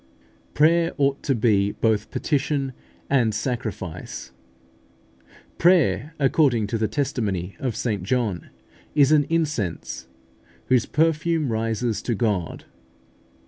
Prayer ought to be both petition and sacrifice. Prayer, according to the testimony of St John, is an incense, whose perfume rises to God.